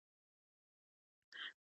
لکه څنګه چې ليدل کېږي